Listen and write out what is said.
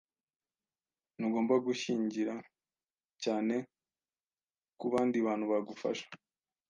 Ntugomba gushingira cyane kubandi bantu bagufasha.